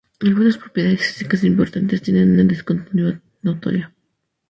Algunas propiedades físicas importantes tienen una discontinuidad notoria.